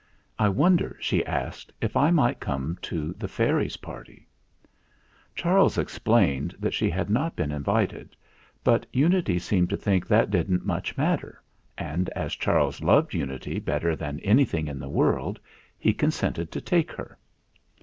"I wonder," she asked, "if I might come to the fairies' party ?" Charles explained that she had not been in vited; but Unity seemed to think that didn't much matter, and, as Charles loved Unity bet ter than anything in the world, he consented to take her.